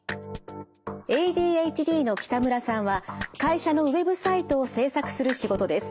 ＡＤＨＤの北村さんは会社のウェブサイトを制作する仕事です。